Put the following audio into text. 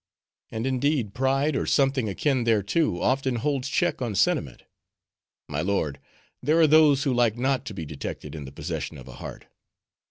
And indeed, pride, or something akin thereto, often holds check on sentiment. My lord, there are those who like not to be detected in the possession of a heart."